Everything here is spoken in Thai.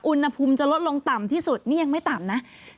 อุณหภูมิจะลดลงต่ำที่สุดนี่ยังไม่ต่ำนะ